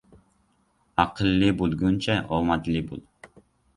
Aqlli bo‘lguncha, omadli bo‘l.